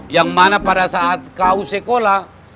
yang mana pada saat kau sekolah